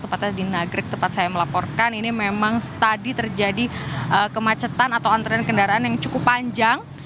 tepatnya di nagrek tempat saya melaporkan ini memang tadi terjadi kemacetan atau antrean kendaraan yang cukup panjang